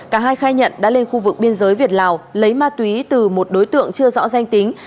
cả hai khai nhận đã lên khu vực biên giới việt lào lấy ma túy từ một đối tượng chưa rõ danh tính